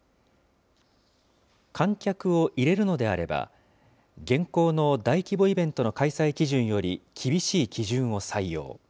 観客を入れるのであれば、現行の大規模イベントの開催基準より厳しい基準を採用。